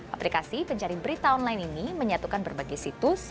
aplikasi pencari berita online ini menyatukan berbagai situs